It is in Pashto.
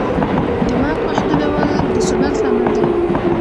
د واک محدودول د ثبات لامل دی